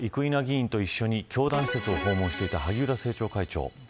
一方、生稲議員と一緒に教団を訪問していた萩生田政調会長。